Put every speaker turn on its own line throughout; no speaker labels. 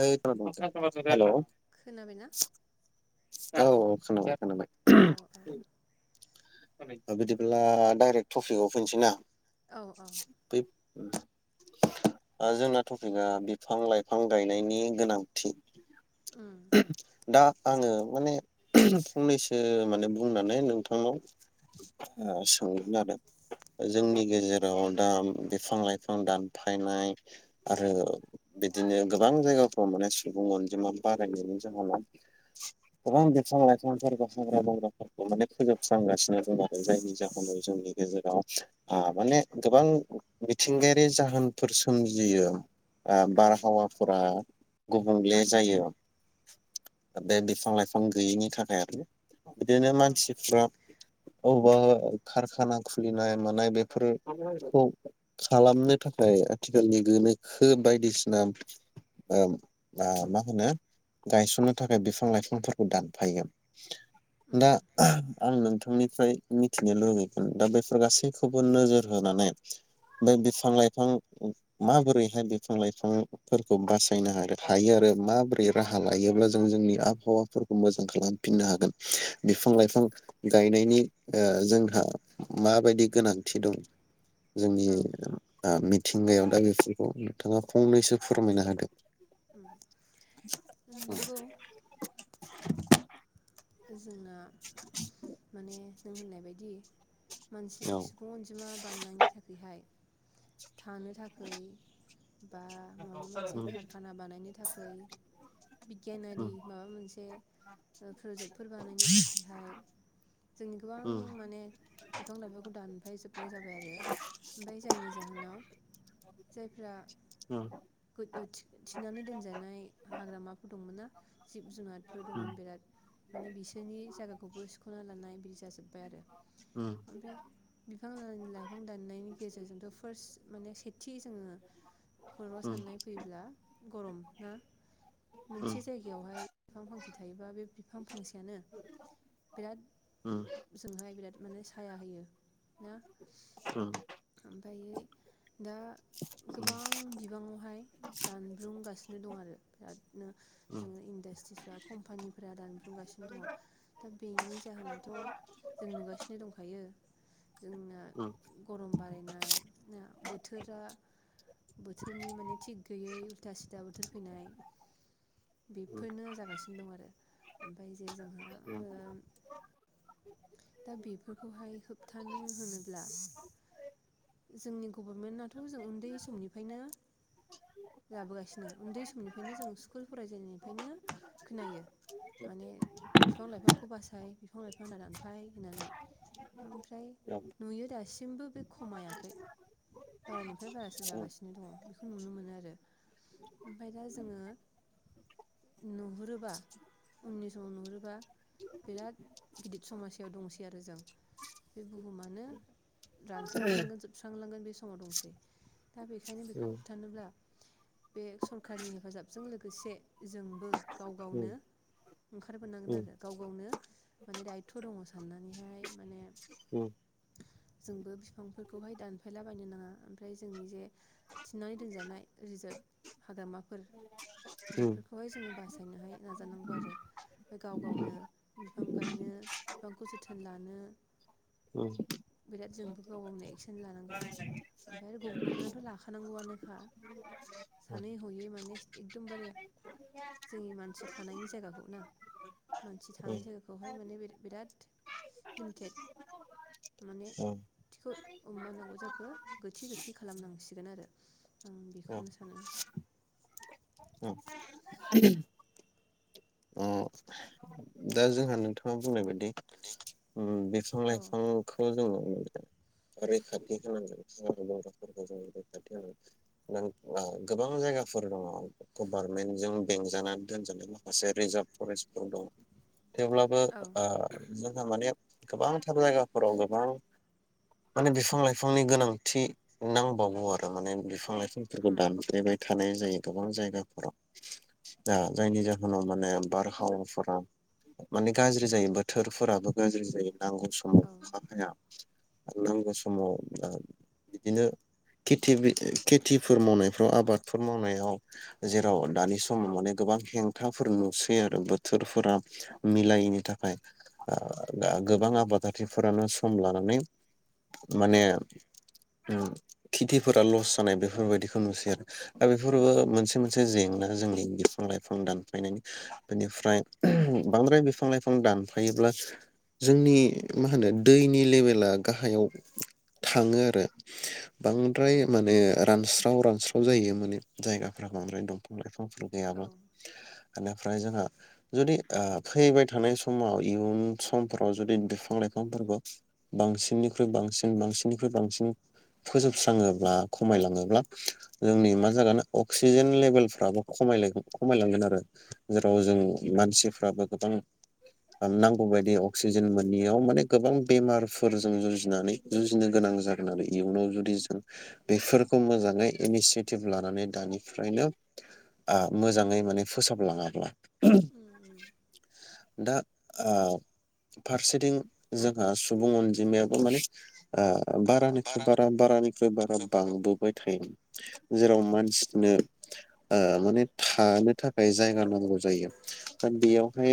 ओ [unintelligible] हेलौ
खोनाबायना?
औ खानाबाय खोनाबाय।
औ औ
बिदिब्ला डाइरेक्ट टफिकआव फैनोसै ना?
औ औ
बै जोंना टपिकआ बिफां लाइफां गायनायनि गोनांथि
उम
दा आङो माने फंनैसो माने बुंनानै नोंथांनाव ओ सोंगोन आरो।
औ
जोंनि गेजेराव दा बिफां लाइफां दान फायनाय आरो बिदिनो गोबां जायगाफ्राव माने सुबुं अनजिमा बारायनायनि जाहोनाव गोबां बिफां लाइफांफोरखौ हाग्रा बंग्राफोरखौ माने फोजोबस्रांगासिनो दङ आरो जायनि जाहोनाव जोंनि गेजेराव आ माने गोबां मिथिंगायारि जाहोनफोर सोमजियो। ओ
औ
बारहावा ओ गुबुंले जायो बे बिफां लाइफां गैयिनि थाखाय आरो बिदिनो
औ
मानसिफ्रा औ कारखाना खुलिनाय मानाय बेफोर खौ खालामनो थाखाय आथिखालनि गोनोखो बायदिसिना ओ मा-माहोनो गायसननो थाखाय बिफां लाइफांफोरखौ दानफायो।
उम
दा आं नोंथां निफ्राय मिथिनो लुुबैगोन दा बेफोर गासैखौबो नोजोर होनानै बे बिफां लाइफां माबोरैहाय बिफां लाइफां फोरखौ बासायनो हायो हायो आरो माबोरै राहा लायोब्ला जों जोंनि आबहावाफोरखौ मोजां खालामफिननो हागोन बिफां लाइफां गायनायनि ओ जोंहा माबायदि गोनांथि दं। जोंनि
औ
ओ बि थिंगायाव दा बेफोरखौ नोंथाङा फंनैसो फोरमायना होदो।
नंगौ जोंना माने नों होननाय बायदि? मानसिनि
औ
सुबुं अनजिमा बांनायनि थाखोयहाय थानो थाखै बा
उम
माबा मोनसे
उम
कारखाना बानायनो थाखै बिगियानारि माबा मोनसे ओ प्रजेक्ट [unintelligible] थाखायहाय जोंनि गोबां
उम
माने बिफां लाइफांखौ दानफाय जोबनाय जा जाबाय आरो ओमफ्राय जायनि जाहोनाव जायफ्रा
उम
[unintelligible] थि-थिनानै दोनजानाय हाग्रामाफोर दंमोन ना जिब जुनारफोर दंमोन बिराद माने बिसोरनि जायगाखौबो सिखना लानाय बिदि जाजोबबाय आरो ओमफ्राय बिफां [unintelligible] लाइफां दाननायनि गेजेरजोंथ फार्स्ट माने सेथि जोङो खर'आव
उम
साननाय फैब्ला गरम ना मोनसे जायगायावहाय बिफां फांसे थायोबा बे बि बिफां फांसेयानो बिराद
उम
जोंहाय बिराद माने साया होयो ना
उम
ओमफ्राय दा
उम
गोबां बिबाङावहाय दानब्रुंगासिनो दं आरो बिरादनो
दा
जोङो इन्डासट्रिसफ्रा कम्पानिफोरा दान [unintelligible] गासिनो दङ दा बेनि जाहोनाथ जों नुगासिनो दंखायो जोंना गरम बारायनाय ना बोथोरा बोथोरनि माने थिग गैयै उल्था सिदा बोथोर फैनाय बेफोरनो जागासिनो दं आरो ओमफ्राय जे जोंह
उम
दा बेफोरखौहाय होबथानो होनोब्ला जोंनि गभारनमेन्टाथ जों उन्दै समनिफ्रायनो लाबोगासिनो उन्दै समनिफ्रायनो जों स्कुल फरायजेन्नायनिफायनो खोनायो माने बिफां लाइफांखौ बासाय बिफां लाइफां दा दानफाय होननानै ओमफ्राय नुयो दासिमबो बे खमाया खै बारानिफ्राय बारासो जागासिनो दङ बेखौ नुनो मोनो आरो ओमफ्राय दा जोङो नुहुरोबा उननि समाव नुहुरोबा बिराद गिदिर समस्यायाव दंसै आरो जों बे बुहुमानो रानस्रां लांगोन जोब [unintelligible] बे समाव दंसै दा बेखायनो बेखौ होबथानोब्ला बे सरखारनि हेफाजाबजों लोगोसे जोंबो गाव गावनो ओंखारबोनांगोन आरो गाव गावनो माने दायथ दङ साननानैहाय माने
जोंहा
जोंबो बिफांफोरख बेखौहाय दानफायला बायनो नाङा ओमफ्राय जोंनि जे थिननानै दोनजानाय रिजार्भ हाग्रामा फोर बेफोरखौहाय जोङो बासायनोहाय जानांगौ आरो गाव गावनो बिफां गायनो बिफांखौ जोथोन लानो
उम
[unintelligible] एक्सन लानांगौ ओमफ्राय आरो गभारनमेन्टआथ लाखानांगौआनोखा सानै हयै माने एकदमबारे जोंनि मानसि थानायनि जायगाखौ ना मानसि थानायनि जायगाखौहाय माने बिराद लिमिटेद माने थिखो [unintelligible] नांगौ जाखो गोथि गोथि खालामनांसिगोन आरो आं बेखौनो सानो।
दा जोंहा नोंथाङा बुंनाय बायदि उम बिफां
औ
लाइफांखौ जोङो रैखाथि होनांगोन [unintelligible] जों रैखाथि होनांगोन [unintelligible] गोबां जायगाफोर दङ गभारमेन्टजों बेंजानानै दोनजानाय माखासे रिजार्भ फरेस्टफोर दं। थेवब्लाबो
औ
ओ जोंहा माने गोबांथार जायगाफोराव गोबां माने बिफां लाइफांनि गोनांथि नांबावौ आरो माने बिफां लाइ फुरखौ
उम
दानफायबाय हानाय जायो गोबां जायगाफोराव दा जायनि जाहोनाव माने बारहावाफोरा माने गाज्रि जायो बोथोरफोराबो गाज्रि जायो। नांगौ
औ
समाव [unintelligible] नांगौ समाव बिदिनो खेथि-खेथिफोर मावनायफ्राव आबादफोर मावनायाव जेराव दानि समाव माने गोबां हेंथाफोर नुसैयो आरो बोथोरफोरा मिलायैनि थाखाय आ दा गोबां
नंगौ
आबादथिफोरानो सम लानां नै माने उम खेथिफोरा ल'स जानाय बेफोरबायदिखौ नुसै आरो दा बेफोरबो
उम
मोनसे मोनसे जें नानो जोंनि बिफां लाइफां दानफायनायनि बेनिफ्राय बांद्राय बिफां लाइफां दानफायोब्ला जोंनि मा होनो दैनि लेभेला गाहायाव थाङो आरो बांद्राय
औ
माने रानस हाव रानस्राव जायो माने जायगाफ्रा बांद्राय दंफां लाइफां
औ
[unintelligible] बेनिफ्राय जोंहा जुदि आ फैबाय थानाय समाव इयुन समफोराव जुदि बिफां लाइफांफोरखौ बांसिननिख्रुइ बांसिन बांसिननिख्रुइ बांसिन फोजोबस्राङोब्ला खमायलाङोब्ला जोंनि
औ
मा जागोन अ खुसिजेन लेभेलफ्राबो खमायलेख खमायलांगोन आरो
औ
जेराव जों मानसिफ्राबो गोबां नांगौ बदि अक्सिजेन मोनैयाव माने गोबां बेमारफोरजों जुजिनानै जुजिनो गोनां जागोन आरो इयुनाव जुदि जों बेफोरखौ मोजाङै इनिसियेटिभ लानानै दानि फ्रायनो आ मोजाङै माने फोसाबलाङाब्ला। [unintelligible] दा आ फारसेथिं जोंहा सुबुं अनजिमायाबो माने आ बारानिफ्राइ बारा
बारानिफ्राय
बारानिख्रुइ बारा बांबोबाय थायो। जेराव मानसिनो ओ माने थानो थाखाय जायगा नांगौ जायो। बेयावहाय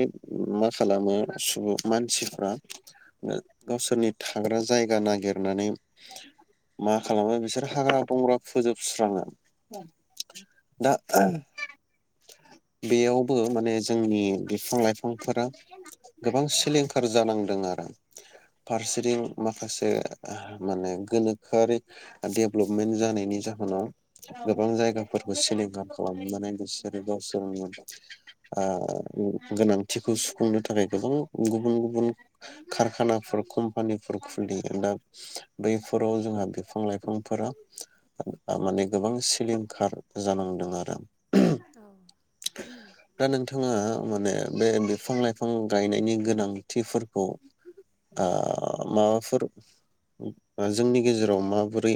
मा खालामो सुबुं मानसिफ्रा गावसोरनि थाग्रा जायगा नागिरनानै मा खालामो बिसोर हाग्रा बंग्रा फोजोबस्राङो दा बेयावबो माने जोंनि बिफां लाइफांफोरा गोबां सिलिंखार जानांदों आरो फारसेथिं माखासे माने गोनोखोआरि डेभ्लपमेन्ट जानायनि जाहोनाव गोबां जायगाफोरखौ सिलिंखार खालामनानै बिसोरो गावसोर आ गोनांथिखौ सुफुंनो थाखाय गोबां गुबुन गुबुन कारखानाफोर कम्पानिफोर खुलियो दा बैफोराव जोंहा बिफां लाइफांफोरा माने गोबां सिलिंखार जानांदों आरो
औ
दा नोंथाङा माने बे बिफां लाइफां गायनायनि गोनांथिफोरखौ आ माबाफोर जोंनि गेजेराव माबोरै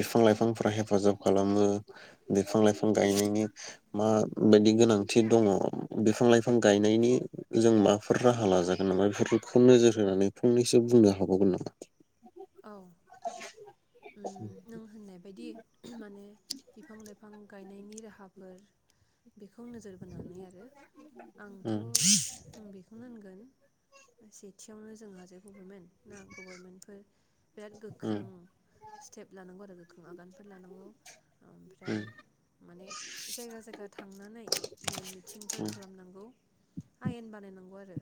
बिफां लाइफांफोरा हेफाजाब खालामो बिफां लाइफां गायनायनि माबायदि गोनांथि दङ बिफां लाइफां गायनायनि जों माबाफोर राहा लाजागोन नामा बेफोरखौ नोजोर होनानै फंनैसो बुंनो हाबावगोन नामा?
औ उम नों होननाय बायदि माने बिफां लाइफां गायनायनि राहाफोर बेखौ नोजोर बोनानै आरो आंथ'
उम
ओं बेखौनो होनगोन सेथियावनो जोंहा जे गभारमेन्ट ना गभारमेन्टफोर बिराद
उम
गोख्रों स्टेप लानांगौ आरो गोख्रों आगानफोर लानांगौ ओमफ्राय
उम
माने जायगा जायगा थांनानै मेल मिथिंफोर खालामनांगौ आयेन बानायनांगौ आरो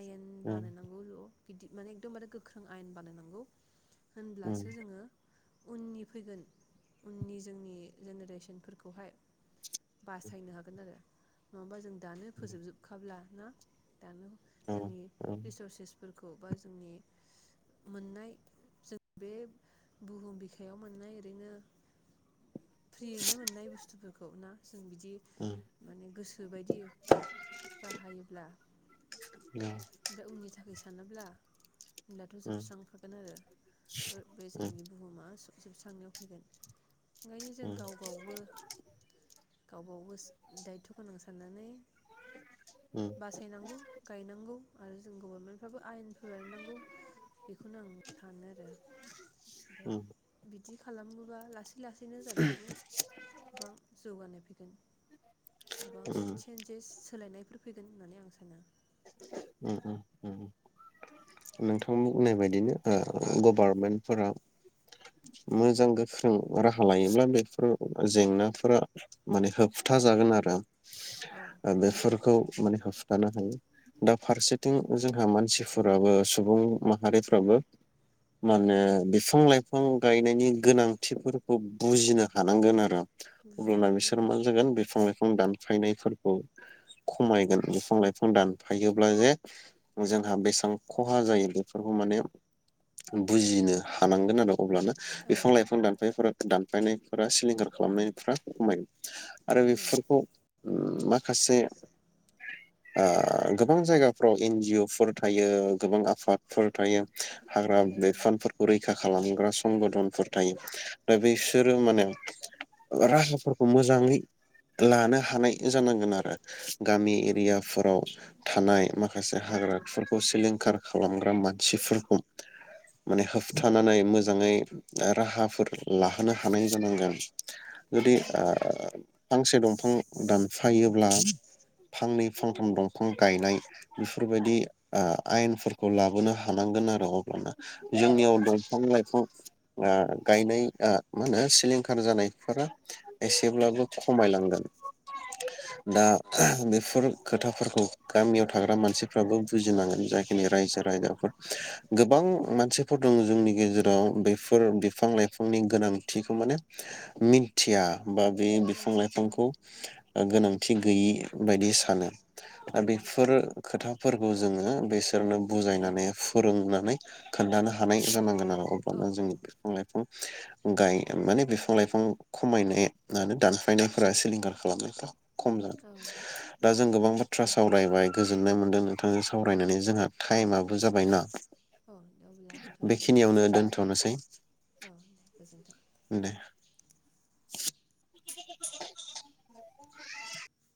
आयेन बानायनांगौल' गिदिर माने एकदम बारे गोख्रों आयेन बानायनांगौ
उम
होनब्लासो जोङो उननि फैगोन उननि जोंनि जेनेरेसन फोरखौहाय बासायनो हागोन आरो नङाबा जों दानो फोजोब जोबखाब्ला ना? दानो
औ
जोंनि
औ उम
रिसारसेस फोरखौ बा जोंनि मोननाय जों बे बुहुम बिखायाव मोननाय ओरैनो फ्रियैनो मोननाय बुस्थुफोरखौ ना जों बिदि
उम
माने गोसो बायदि बाहायोब्ला ओमफ्राय उननि थाखाय सानोब्ला होनब्लाथ' जोबस्रांखागोन आरो ओ बे
उम
जोंनि बुहुमा जोबस्रांनायाव फैगोन। ओंखायनो जों गाव गावबो गावबावगोस दायथ' गोनां साननानै बासायनांगौ आरो जों गभारमेन्ट फोराबो आयेन फोराय नांगौ बेखौनो आं सानो आरो ओमफ्राय
उम उम
बि दि खालामोबा लासै लासैनो जानो हागौ गोबां जौगानाय फै गोन। गोबां चेन्जेस सोलायनायफोर फैगोन होननानै आं साना
उम उम उम नोंथां बुंनाय बायदिनो ओ गभारमेन्टफोरा मोजां गोख्रों राहा लायोब्ला बेफोर जेंनाफोरा माने होबथा जागोन आरो।
औ
बेफोरखौ माने होबथानो हायो। दा फारसेथिं जोंहा मानसिफोराबो सुबुं माहारिफ्राबो माने बिफां लाइफां गायनायनि गोनांथिफोरखौ बुजिनो हानांगोन आरो।
बुजिनो
अब्लाना
हानांगोन
बिसोरो मा जागोन बिफां बिफां दानफायनायफोरखौ खमायगोन बिफां लाइफां दान फायोब्ला जे जोंहा बेसेबां खहा जायो बेफोरखौ माने बुजिनो हानांगोन आरो अब्लानो
औ औ
बिफां लाइफां दानफायफोरा दानफायनायफोरा सिलिंखार खालामनायफ्रा खमायो आरो बेफोरखौ उम माखासे ओ गोबां जायगाफ्राव इन जि अ फोर थायो गोबां आफादफोर थायो हाग्रा
हायो
बिफानफोरखौ रैखा खालाम खालामग्रा संगदनफोर थायो दा बिसोरो माने राहाफोरखौ मोजाङै लानो हानाय जानांगोन आरो। गामि
उम
एरियाफोराव थानाय माखासे हाग्राफोरखौ सिलिंखार खालामग्रा मान सिफोरखौ माने होबथानानै मोजाङै राहाफोर लाहोनो हानाय जानांगोन। जुदि
औ
ओ फांसे दंफां दान फायोब्ला फांनै फांथाम दं दंफां गायनाय बेफोरबायदि ओ आयेनफोरखौ लाबोनो हानांगोन आरो अब्लाना जोंनियाव दंफां लाइफां ओ गायनाय ओ मा होनो सिलिंखार जानायफोरा एसेब्लाबो खमायलांगोन। [unintelligible] दा ओ बेफोर खोथाफोर खौ
खोथा
गामियाव थाग्रा मानसिफ्राबो बुजिनांगोन जाखिनि रायजो
औ
राजाफोर गोबां मानसिफोर दङ जोंनि गेजेराव बेफोर बिफां लाइफांनि गोनांथिखौ माने मिन थिया बा बे बिफां
मिन्थियो औ
लाइफांखौ गोनांथि गैयि बायदि सानो। दा
उम
बेफोर खोथाफोरखौ जोङो बिसोरनो बुजायनानै फोरोंनानै खोन्थानो हानाय जानांगोन आरो।
औ
अब्लानो
औ
जोंनि बिफां लाइफां गाय माने बिफां लाइफां खमायनाय नानो
खालाम
दानफायनायफोरा सिलिंखार खालामनाय खम जागोन
औ
दा जों गोबां बाथ बाथ्रा सावरायबाय गोजोननाय मोनदों नोंथांजों सावरायनानै जोंहा
औ
टाइमआबो जाबाय ना
औ अब्ला दोनथ'नोसै
बेखिनियावनो दोनथनोसै
औ दे गोजोन्थों
दे। [inaudible]